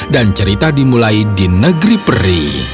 dan cerita dimulai di negeri peri